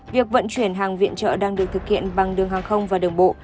việc vận chuyển hàng viện trợ đang được thực hiện bằng đường hàng không và đường bộ